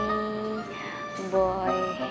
siapa ya dia